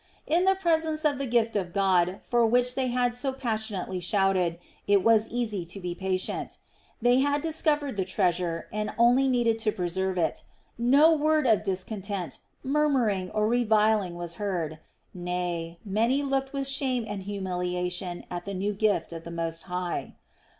In the presence of the gift of God for which they had so passionately shouted, it was easy to be patient. They had discovered the treasure and only needed to preserve it. No word of discontent, murmuring, or reviling was heard; nay, many looked with shame and humiliation at the new gift of the Most High.